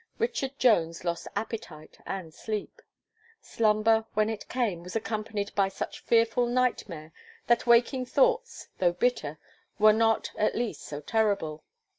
Richard Jones lost appetite and sleep. Slumber, when it came, was accompanied by such fearful nightmare, that waking thoughts, though bitter, were not, at least, so terrible.